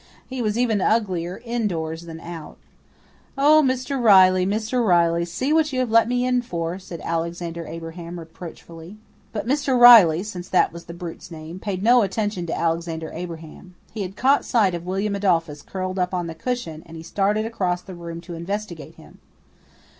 He was even uglier indoors than out. "Oh, Mr. Riley, Mr. Riley, see what you have let me in for," said Alexander Abraham reproachfully. But Mr. Riley since that was the brute's name paid no attention to Alexander Abraham. He had caught sight of William Adolphus curled up on the cushion, and he started across the room to investigate him.